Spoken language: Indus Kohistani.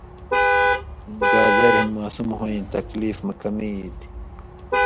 گازریۡ ہِن ماسوم ہویں تکلیف مہ کمی ای تھی ۔